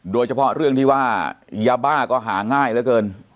โดยเฉพาะเรื่องที่ว่ายาบ้าก็หาง่ายเหลือเกิน